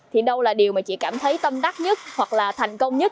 thì đâu là điều mà chị cảm thấy tâm đắc nhất hoặc là thành công nhất